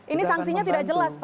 ini sanksinya tidak jelas pak